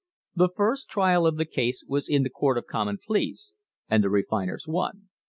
The first trial of the case was in the Court of Common Pleas, and the refiners won.